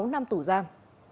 sáu năm tù giam